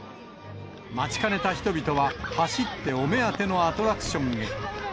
待ちかねた人々は、走ってお目当てのアトラクションへ。